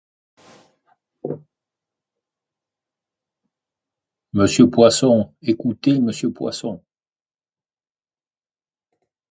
Monsieur Poisson, écoutez, monsieur Poisson.